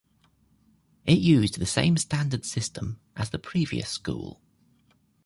It used the same standard system as the previous school.